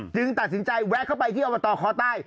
จึงตัดสินใจแวะเข้าไปที่อวตค้าวตาล